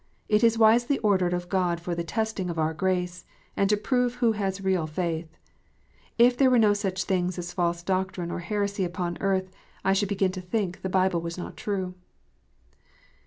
It is wisely ordered of God for the testing of our grace, and to prove who has real faith. If there were no such thing as false doctrine or heresy upon earth, I should begin to think the Bible was not true.